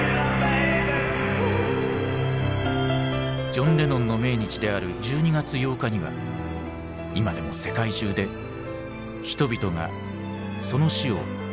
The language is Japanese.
ジョン・レノンの命日である１２月８日には今でも世界中で人々がその死を悼み続けている。